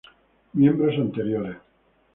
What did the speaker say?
Miembros Anteriores